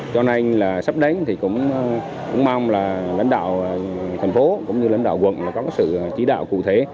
cho nên sắp đến cũng mong lãnh đạo thành phố cũng như lãnh đạo quận có sự chỉ đạo cụ thể